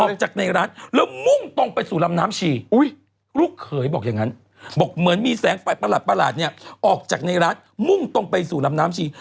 ออกจากในร้านแล้วมุ่งตรงไปสู่ลำน้ำชี